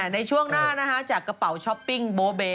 ในช่วงหน้าจากกระเป๋าช้อปปิ้งโบเบ